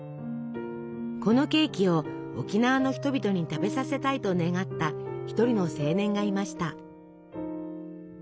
このケーキを沖縄の人々に食べさせたいと願った一人の青年がいました。